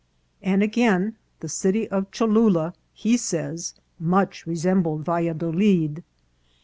And again : the city of Cholnla, he says, " much resembled Valladolid."